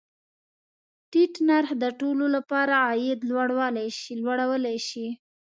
ټیټ نرخ د ټولو له پاره عاید لوړولی شي.